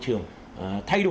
trường thay đổi